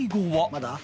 まだ？